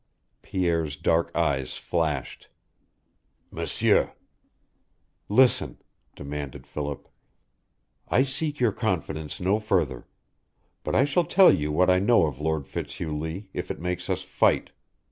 Pierre's dark eyes flashed. "M'sieur " "Listen!" demanded Philip. "I seek your confidence no further. But I shall tell you what I know of Lord Fitzhugh Lee, if it makes us fight.